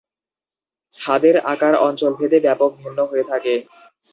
ছাদের আকার অঞ্চলভেদে ব্যাপক ভিন্ন হয়ে থাকে।